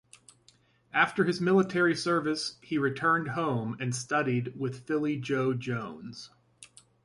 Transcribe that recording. After his military service he returned home and studied with Philly Joe Jones.